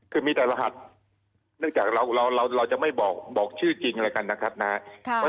คือมีแต่รหัสเนื่องจากเราจะไม่บอกชื่อจริงอะไรกันนะครับ